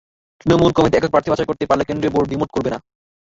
Trinamool committee একক প্রার্থী বাছাই করতে পারলে কেন্দ্রীয় বোর্ড দ্বিমত করবে না।